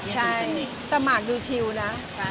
ใช่แต่หมากดูชิวนะ